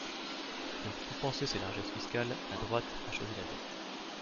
Pour compenser ses largesses fiscales, la droite a choisi la dette.